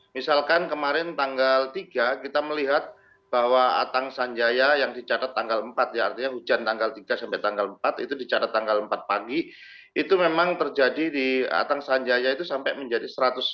misalkan kemarin tanggal tiga kita melihat bahwa atang sanjaya yang dicatat tanggal empat ya artinya hujan tanggal tiga sampai tanggal empat itu dicatat tanggal empat pagi itu memang terjadi di atang sanjaya itu sampai menjadi satu ratus empat puluh